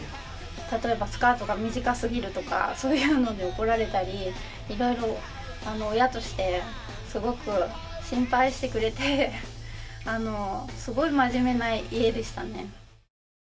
例えばスカートが短すぎるとかそういうので怒られたり色々親としてすごく心配してくれてあのすごい真面目な家でしたね